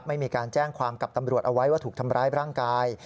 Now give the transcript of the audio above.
ไม่มีการแจ้งความกับตำรวจเอาไว้ว่าถูกทำร้ายร่างกาย